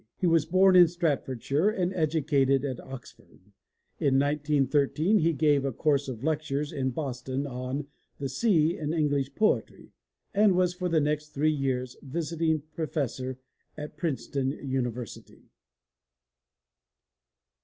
He was bom in Staffordshire and educated at Oxford. In 1913 he gave a course of lectures in Boston on The Sea in English Poetry and was, for the next three years, visiting professor at Princeton University.